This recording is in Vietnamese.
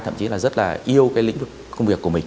thậm chí là rất là yêu cái lĩnh vực công việc của mình